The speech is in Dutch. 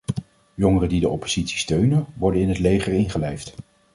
Jongeren die de oppositie steunen, worden in het leger ingelijfd.